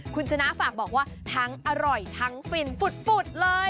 คุณชนะฝากบอกว่าทั้งอร่อยทั้งฟินฝุดเลย